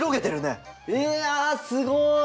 いやすごい！